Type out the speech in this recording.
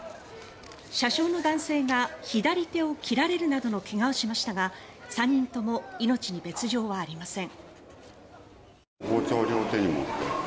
車掌の男性が左手を切られるなどの怪我をしましたが３人とも命に別条はありません。